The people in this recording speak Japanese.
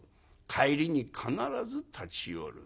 帰りに必ず立ち寄る。